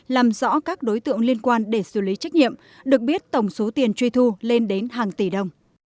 làm rõ các đối tượng liên quan để xử lý trách nhiệm được biết tổng số tiền truy thu lên đến hàng tỷ đồng